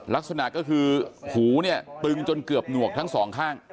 ลักษณะก็คือหูเนี่ยตึงจนเกือบหนวกทั้งสองข้าง